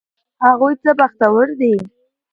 هغوی څه بختور دي!